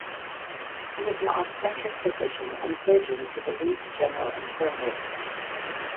He was an obstetric physician and surgeon to the Leeds General Infirmary.